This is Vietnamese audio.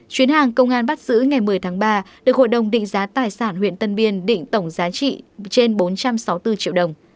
chuyến hàng công an bắt giữ ngày một mươi tháng ba được hội đồng định giá tài sản huyện tân biên định tổng giá trị trên bốn trăm sáu mươi bốn triệu đồng